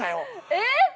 えっ！？